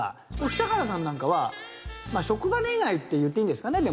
北原さんなんかは職場恋愛って言っていいんですかね？